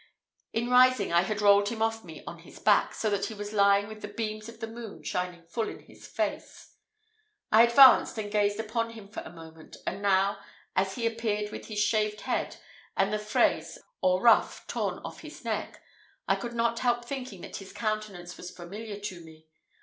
In rising I had rolled him off me on his back, so that he was lying with the beams of the moon shining full in his face. I advanced and gazed upon him for a moment; and now, as he appeared with his shaved head, and the fraise, or ruff torn off his neck, I could not help thinking that his countenance was familiar to me.